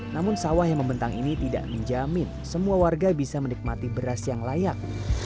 namun sawah yang membentang ini tidak menjamin semua warga bisa menikmati beras yang layak